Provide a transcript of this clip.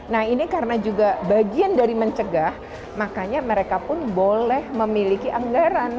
nah ini karena juga bagian dari mencegah makanya mereka pun boleh memiliki anggaran